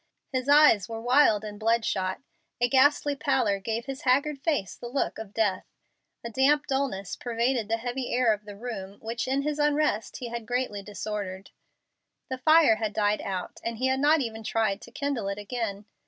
His eyes were wild and bloodshot. A ghastly pallor gave his haggard face the look of death. A damp dullness pervaded the heavy air of the room, which in his unrest he had greatly disordered. The fire had died out, and he had not even tried to kindle it again.